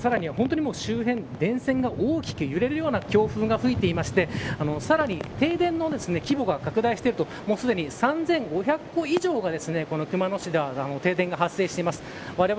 さらに、本当に周辺電線が大きく揺れるような強風が吹いていてさらに停電の規模が拡大しているとすでに３５００戸以上がこの熊野市では停電が発生しています。